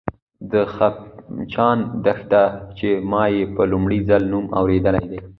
د خمچان دښته، چې ما یې په لومړي ځل نوم اورېدی دی